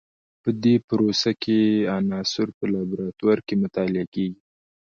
په دې پروسه کې عناصر په لابراتوار کې مطالعه کیږي.